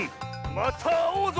またあおうぞ！